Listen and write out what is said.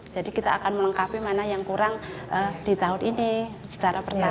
jadi kita akan melengkapi mana yang kurang di tahun ini secara pertahankan